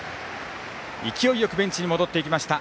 勢いよくベンチに戻っていきました